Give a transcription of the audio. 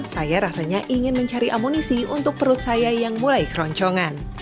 saya rasanya ingin mencari amunisi untuk perut saya yang mulai keroncongan